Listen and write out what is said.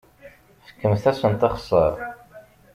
Fkem-asent axeṣṣar.